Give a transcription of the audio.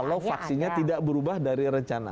kalau vaksinnya tidak berubah dari rencana